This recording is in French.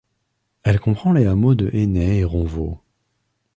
Elle comprend les hameaux de Enhet et Ronvaux.